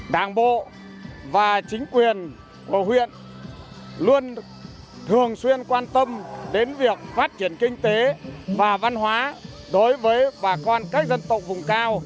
đảng bộ và chính quyền của huyện luôn thường xuyên quan tâm đến việc phát triển kinh tế và văn hóa đối với bà con các dân tộc vùng cao